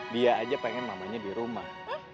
dia aja pengen namanya di rumah